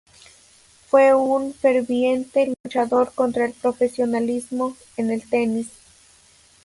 Fue un ferviente luchador contra el profesionalismo en el tenis.